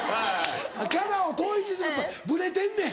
キャラを統一しろブレてんねん。